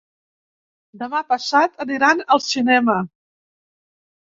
Demà passat aniran al cinema.